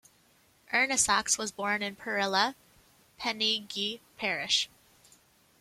Ernesaks was born in Perila, Peningi Parish.